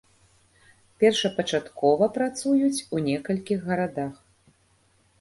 Першапачаткова працуюць ў некалькіх гарадах.